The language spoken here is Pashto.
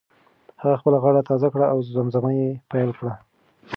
هغه خپله غاړه تازه کړه او زمزمه یې پیل کړه.